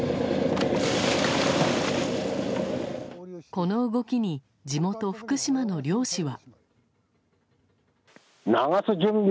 この動きに地元・福島の漁師は。